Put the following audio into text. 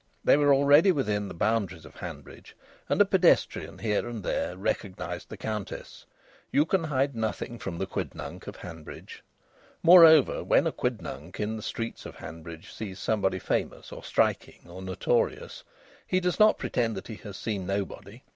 They were already within the boundaries of Hanbridge, and a pedestrian here and there recognised the Countess. You can hide nothing from the quidnunc of Hanbridge. Moreover, when a quidnunc in the streets of Hanbridge sees somebody famous or striking, or notorious, he does not pretend that he has seen nobody.